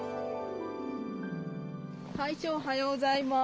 会長おはようございます。